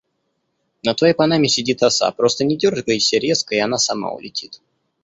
На твоей панаме сидит оса. Просто не дёргайся резко и она сама улетит.